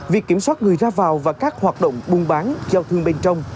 việc kiểm soát người ra vào và các hoạt động buôn bán giao thương bên trong